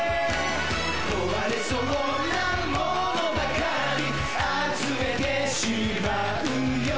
こわれそうなものばかり集めてしまうよ